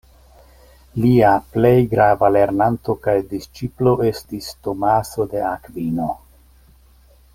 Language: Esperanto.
Lia plej grava lernanto kaj disĉiplo estis Tomaso de Akvino.